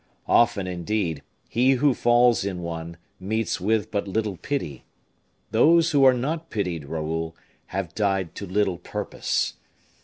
Often, indeed, he who falls in one meets with but little pity. Those who are not pitied, Raoul, have died to little purpose.